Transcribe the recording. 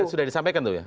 sudah disampaikan tuh ya